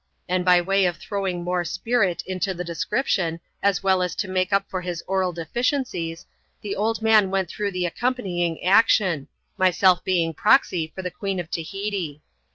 And by way of throwing more spirit into the description, as well as to make up for his oral deficiencies, the old man went through the accompanying action : myself being proxy for the Queen of Tahiti.